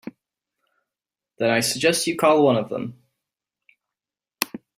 Then I suggest you call one of them.